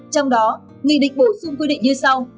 trong đó nghị định bổ sung quy định như sau